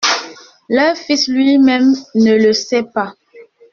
Leur fils lui-même ne le sait pas.